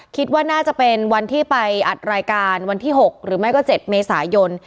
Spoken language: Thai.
คิดว่าน่าจะเป็นวันที่ไปอัดรายการวันที่๖หรือไม่ก็๗เมษายน